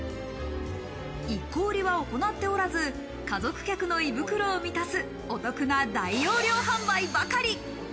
１個売りは行っておらず、家族客の胃袋を満たす、お得な大容量販売ばかり。